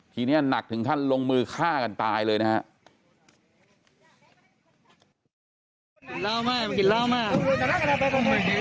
ทีนี้หนักถึงขั้นลงมือฆ่ากันตายเลยนะครับ